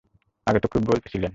আগে তো খুব বলতেছিলেন?